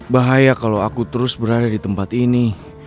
bahaya kalau aku terus berada di tempat ini